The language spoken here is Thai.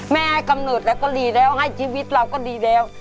ให้กำหนดแล้วก็ดีแล้วให้ชีวิตเราก็ดีแล้ว